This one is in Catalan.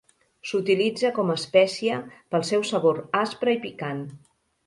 S'utilitza com espècia pel seu sabor aspre i picant.